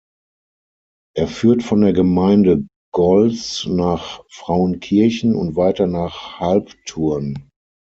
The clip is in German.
Er führt von der Gemeinde Gols nach Frauenkirchen und weiter nach Halbturn.